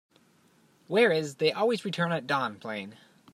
Where is They Always Return at Dawn playing